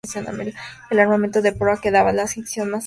El armamento de proa quedaba en la sección más alta.